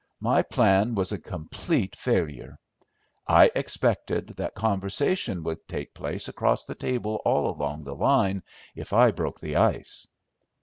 My plan was a complete failure. I expected that conversation would take place across the table all along the line, if I broke the ice."